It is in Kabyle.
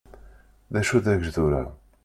D acu dagejdur-a?